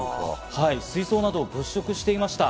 水槽などを物色していました。